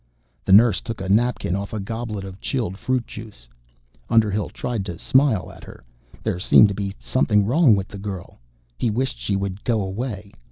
The nurse took a napkin off a goblet of chilled fruit juice. Underhill tried to smile at her. There seemed to be something wrong with the girl. He wished she would go away.